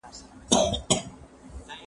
زه بايد سبا ته فکر وکړم!؟